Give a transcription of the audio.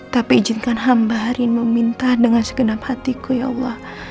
tapi izinkan hamba hari ini meminta dengan segenap hatiku ya allah